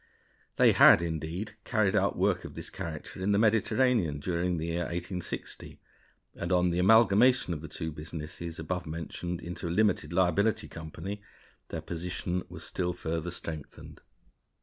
They had, indeed, carried out work of this character in the Mediterranean during the year 1860; and on the amalgamation of the two businesses above mentioned into a limited liability company, their position was still further strengthened.